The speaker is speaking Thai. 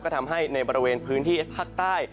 ก็ทำให้ในบริเวณพื้นที่ภาคใต้